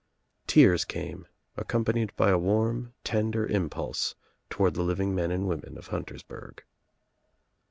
Tears came accompanied by a warm tender impulse toward the living men and women of Huntersburg.